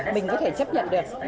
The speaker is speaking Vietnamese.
mình có thể chấp nhận được